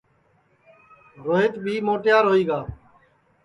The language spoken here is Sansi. روہیت بی موٹیار ہوئی گا